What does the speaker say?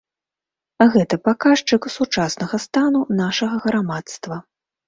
Гэта паказчык сучаснага стану нашага грамадства.